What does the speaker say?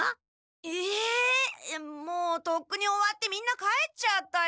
えもうとっくに終わってみんな帰っちゃったよ。